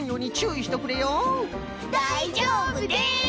だいじょうぶです！